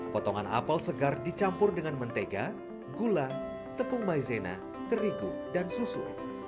potongan apel segar dicampur dengan mentega gula tepung maizena terigu dan susu